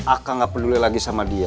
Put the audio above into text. aka gak peduli lagi sama dia